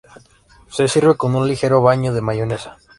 Se sirve con un ligero baño de mayonesa.